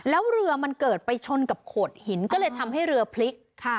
แล้วเรือมันเกิดไปชนกับโขดหินก็เลยทำให้เรือพลิก